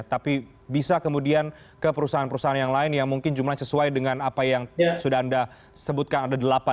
tapi bisa kemudian ke perusahaan perusahaan yang lain yang mungkin jumlahnya sesuai dengan apa yang sudah anda sebutkan ada delapan